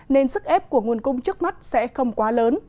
nên sức ép của nguồn cung trước mắt sẽ không quá lớn